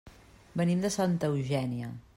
Venim de Santa Eugènia.